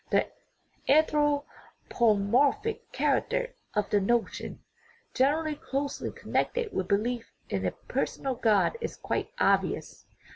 The anthropomorphic character of this no tion, generally closely connected with belief in a per sonal God, is quite obvious.